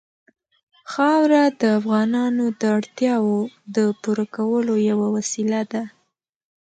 خاوره د افغانانو د اړتیاوو د پوره کولو یوه وسیله ده.